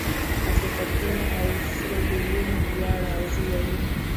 حقیقتونه او سره ګلونه دواړه اغزي لري.